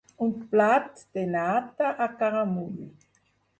Un plat de nata a caramull.